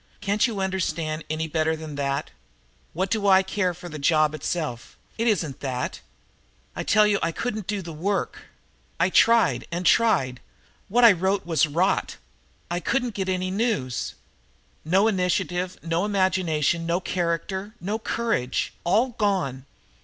"Can't you understand any better than that? What do I care for the job itself? It isn't that. I tell you I couldn't do the work! I tried and tried. What I wrote was rot. I couldn't get any news. No initiative no imagination no character no courage! All gone.